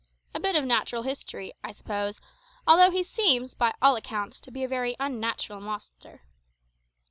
A bit of natural history, I suppose, although he seems by all accounts to be a very unnatural monster.